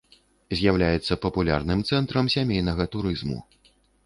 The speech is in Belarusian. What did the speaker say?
З'яўляецца папулярным цэнтрам сямейнага турызму.